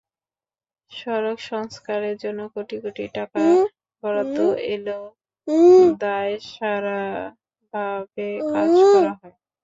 সড়ক সংস্কারের জন্য কোটি কোটি টাকা বরাদ্দ এলেও দায়সারাভাবে কাজ করা হয়।